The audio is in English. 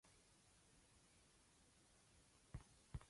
Other stories use different structures.